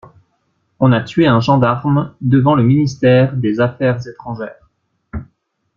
On a tué un gendarme devant le ministère des Affaires étrangères.